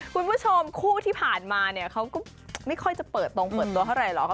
คุณผู้ชมคู่ที่ผ่านมาเนี่ยเขาก็ไม่ค่อยจะเปิดตรงเปิดตัวเท่าไหร่หรอก